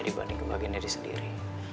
dibanding kebahagiaan diri sendiri